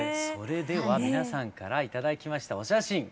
それでは皆さんから頂きましたお写真